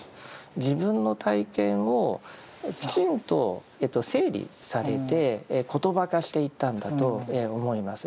自分の体験をきちんと整理されて言葉化していったんだと思います。